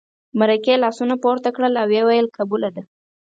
مرکې لاسونه پورته کړل او ویې ویل قبوله ده.